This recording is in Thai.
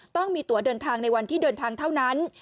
ต้องมีตัวเดินทางในวันที่เดินทางเท่านั้น